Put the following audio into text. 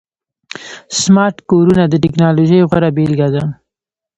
سمارټ کورونه د ټکنالوژۍ غوره بيلګه ده.